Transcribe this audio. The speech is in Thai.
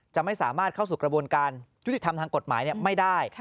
จะไม่สามารถเข้าสู่กระบวนการยุติธรรมทางกฎหมายไม่ได้